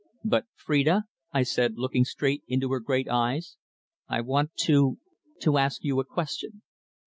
"But, Phrida," I said, looking straight into her great eyes, "I want to to ask you a question."